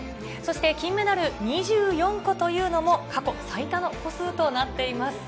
金メダル２４個というのも過去最多の個数となっています。